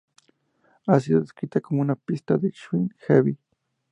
Ha sido descrita como una "pista de synth-heavy".